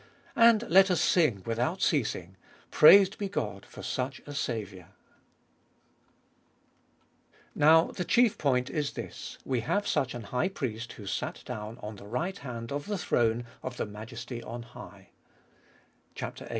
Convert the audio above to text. And let us sing without ceasing : Praised be God for such a Saviour ! 1. "Now the chief point Is this : We have such an High Priest who sat down on the right hand of the throne of the Majesty on high " (viii.